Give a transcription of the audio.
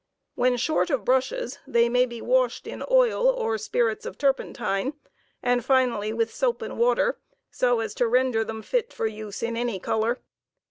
When short of brushes, they may be washed in oil or spirits of turpentine, and finally with soap and water, so as to render them fit for use in any color.